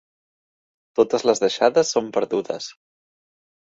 Totes les deixades són perdudes.